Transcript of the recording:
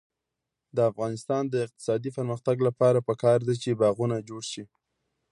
د افغانستان د اقتصادي پرمختګ لپاره پکار ده چې باغونه جوړ شي.